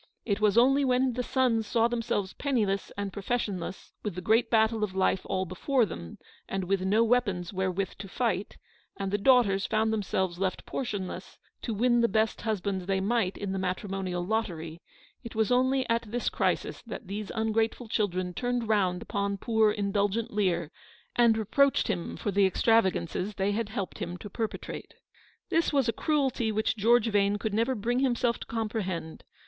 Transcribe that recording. It was only when the sons saw themselves penniless and professionless, with the great battle of life all before them, and with no weapons wherewith to fight ; and the daughters found themselves left portionless, to win the best husbands they might in the matrimonial lottery : it was only at this crisis that these ungrateful children turned round upon poor, indulgent Lear, and reproached him for the extravagances they had helped him to perpetrate. This was a cruelty which George Vane could never bring himself to comprehend.